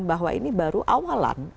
bahwa ini baru awalan